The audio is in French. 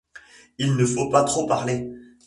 Il ne faut pas trop parler.